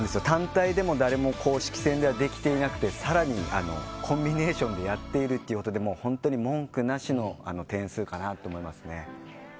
単体でも誰も公式戦ではできていなくて、さらにコンビネーションでやっているということで本当に文句なしの点数かなと思います。